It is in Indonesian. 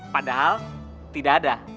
padahal tidak ada